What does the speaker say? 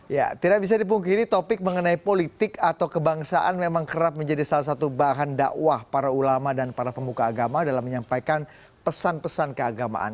ya tidak bisa dipungkiri topik mengenai politik atau kebangsaan memang kerap menjadi salah satu bahan dakwah para ulama dan para pemuka agama dalam menyampaikan pesan pesan keagamaan